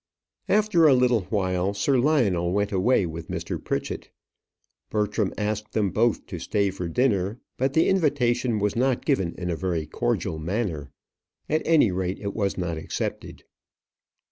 After a little while, Sir Lionel went away with Mr. Pritchett. Bertram asked them both to stay for dinner, but the invitation was not given in a very cordial manner. At any rate, it was not accepted.